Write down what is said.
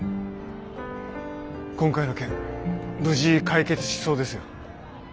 今回の件無事解決しそうですよ。